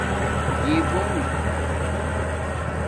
جیبݸنݣ